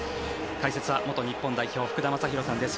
解説は元日本代表、福田正博さんです。